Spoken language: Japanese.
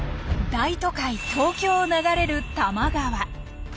大都会東京を流れる多摩川。